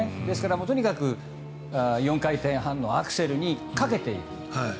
ですから、とにかく、４回転半のアクセルにかけている。